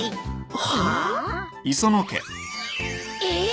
はあ？えっ！？